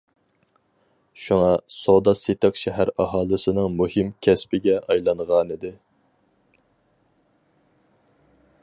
شۇڭا، سودا-سېتىق شەھەر ئاھالىسىنىڭ مۇھىم كەسپىگە ئايلانغانىدى.